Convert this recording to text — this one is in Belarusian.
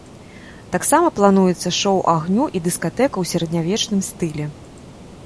Таксама плануецца шоў агню і дыскатэка ў сярэднявечным стылі.